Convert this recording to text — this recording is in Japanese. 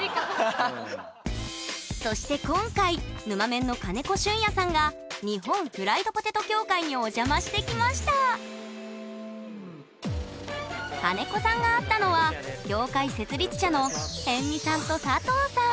そして今回ぬまメンの金子隼也さんが日本フライドポテト協会にお邪魔してきました金子さんが会ったのは協会設立者の辺見さんと佐藤さん